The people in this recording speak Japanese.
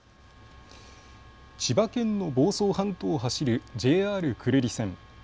千葉県の房総半島を走るＪＲ久留里線。